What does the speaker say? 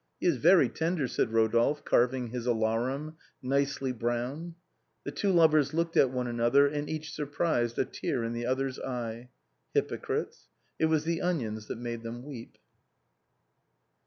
" He is very tender," said Rodolphe, carving his alarum, nicely browned. The two lovers looked at one another, and each surprised a tear in the other's eye. Hypocrites, it was the onions that made them weep.